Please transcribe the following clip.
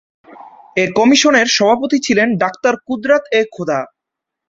এই কমিশনের সভাপতি ছিলেন ডাক্তারকুদরাত-এ-খুদা।